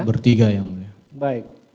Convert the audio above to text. bertiga yang mulia